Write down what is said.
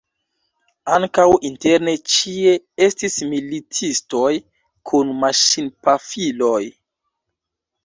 Ankaŭ interne ĉie estis militistoj kun maŝinpafiloj.